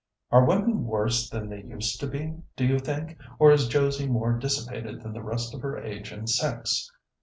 "Are women worse than they used to be, do you think; or is Josie more dissipated than the rest of her age and sex?"